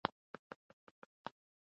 کولمو محور عصبي فعالیت ښه کوي.